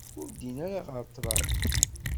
Ur ddin ara ɣer ṭraḍ